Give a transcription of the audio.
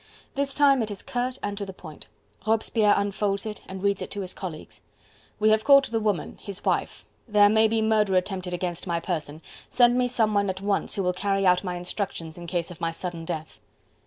This time it is curt and to the point. Robespierre unfolds it and reads it to his colleagues. "We have caught the woman his wife there may be murder attempted against my person, send me some one at once who will carry out my instructions in case of my sudden death."